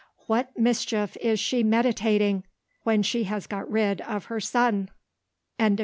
What mischief is she meditating, when she has got rid of her son?" CHAPTER XIX.